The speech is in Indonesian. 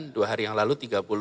dua hari yang lalu tiga puluh empat